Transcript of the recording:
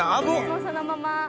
そのまま。